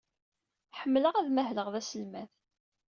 Ḥemmleɣ ad mahleɣ d aselmad.